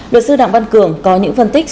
luật sư đặng văn cường có những phân tích